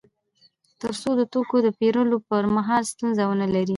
تر څو د توکو د پېرلو پر مهال ستونزه ونلري